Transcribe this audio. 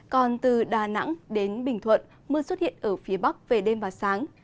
còn từ đà nẵng đến bình thuận mưa xuất hiện ở phía bắc về đêm và sáng